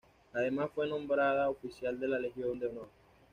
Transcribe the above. Además fue nombrada Oficial de la Legión de Honor.